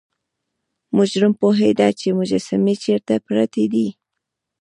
مجرم پوهیده چې مجسمې چیرته پرتې دي.